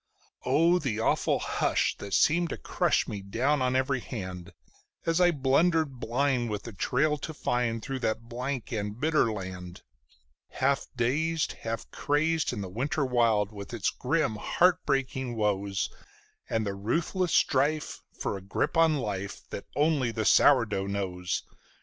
Oh, the awful hush that seemed to crush me down on every hand, As I blundered blind with a trail to find through that blank and bitter land; Half dazed, half crazed in the winter wild, with its grim heart breaking woes, And the ruthless strife for a grip on life that only the sourdough knows!